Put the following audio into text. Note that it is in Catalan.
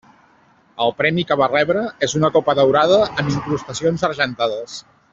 El premi que va rebre és una copa daurada amb incrustacions argentades.